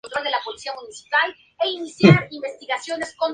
En la misma lista que Paulina Núñez Urrutia.